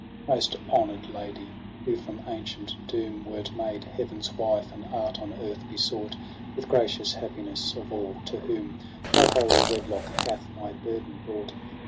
20 ' Most honour'd Lady, who from ancient doom Wert made heaven's wife, and art on earth besought With gracious happiness of all to whom Thy holy wedlock hath my burden brought.